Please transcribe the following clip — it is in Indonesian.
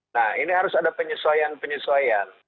nah ini harus ada penyesuaian penyesuaian